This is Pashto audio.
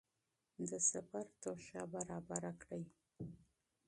د سفر توښه برابره کړئ.